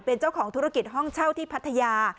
เป็นเจ้าของธุรกิจห้องเช่าที่พัทยา